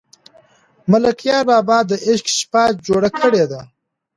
ملکیار بابا د عشق شپه جوړه کړې ده.